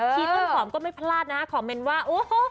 ชีสอุ่นหอมก็ไม่พลาดนะคอมเมนว่าโอ้โฮ